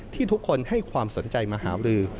ทุกคนให้ความสนใจมาหารือ